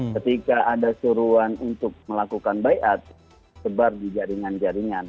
ketika ada suruhan untuk melakukan bayat sebar di jaringan jaringan